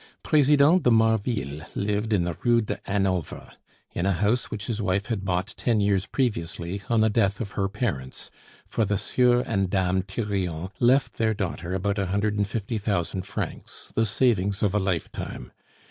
President de Marville lived in the Rue de Hanovre, in a house which his wife had bought ten years previously, on the death of her parents, for the Sieur and Dame Thirion left their daughter about a hundred and fifty thousand francs, the savings of a lifetime.